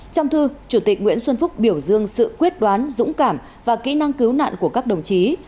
trong thư chủ tịch nguyễn xuân phúc biểu dương sự quyết đoán dũng cảm và kỹ năng cứu nạn của các đồng chí